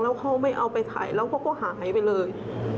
แล้วเขาไม่เอาไปถ่ายแล้วเขาก็หายไปเลย